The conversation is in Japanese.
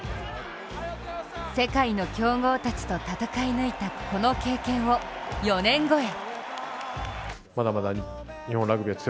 世界の強豪たちと戦い抜いたこの経験を４年後へ。